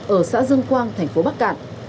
ở xã dương quang thành phố bắc cạn